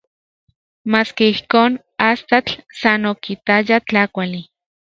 Maski ijkon, astatl san okitaya tlakuali.